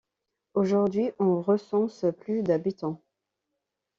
Aujourd'hui, on recense plus de habitants.